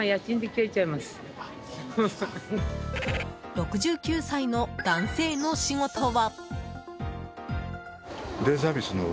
６９歳の男性の仕事は。